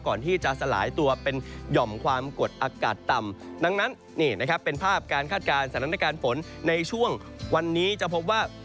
ที่จะสลายตัวเป็นหย่อมความกดอากาศต่ำดังนั้นนี่นะครับเป็นภาพการคาดการณ์สถานการณ์ฝนในช่วงวันนี้จะพบว่า